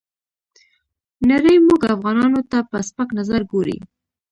نړۍ موږ افغانانو ته په سپک نظر ګوري.